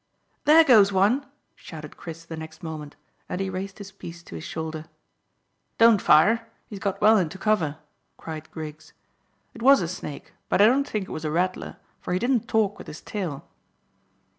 "There goes one," shouted Chris the next moment, and he raised his piece to his shoulder. "Don't fire; he's got well into cover," cried Griggs. "It was a snake, but I don't think it was a rattler, for he didn't talk with his tail."